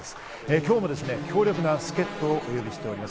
今日も強力な助っ人をお呼びしております。